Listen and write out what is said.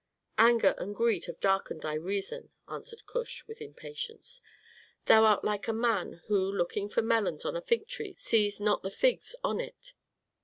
"Anger and greed have darkened thy reason," answered Kush, with impatience. "Thou art like a man who looking for melons on a fig tree sees not the figs on it.